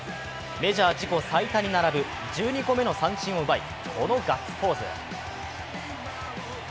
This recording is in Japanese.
メジャー自己最多に並ぶ１２個目の三振を奪いこのガッツポーズ。